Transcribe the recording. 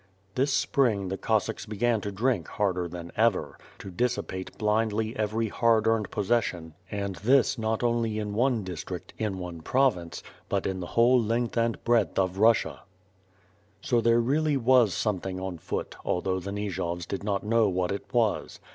This spring the Cossacks began to drink harder than ever; to dissipate blindly every hard earned possession; and this not only in one district, in one province, but in the whole length and breadth of Bussia. So there really was something on foot, although the Nijovs did not know what it was.